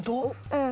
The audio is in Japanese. うん。